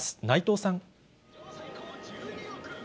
内藤さん。